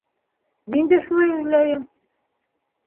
Мин дә шулай уйлайым...